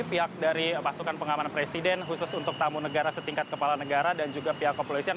pihak dari pasukan pengamanan presiden khusus untuk tamu negara setingkat kepala negara dan juga pihak kepolisian